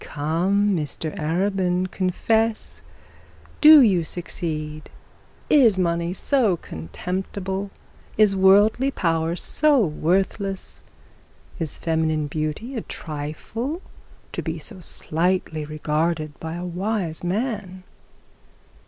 'Come, Mr Arabin, confess; do you succeed? Is money so contemptible? Is worldly power so worthless? Is feminine beauty a trifle to be so slightly regarded by a wise man?'